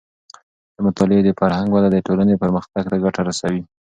د مطالعې د فرهنګ وده د ټولنې پرمختګ ته ګټه رسوي.